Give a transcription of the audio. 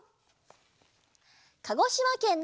かごしまけんのなが